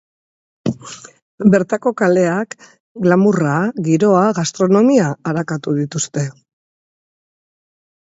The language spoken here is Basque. Bertako kaleak, glamourra, giroa, gastronomia arakatu dituzte.